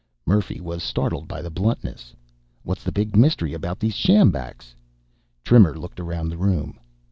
Murphy was startled by the bluntness. "What's the big mystery about these sjambaks?" Trimmer looked around the room.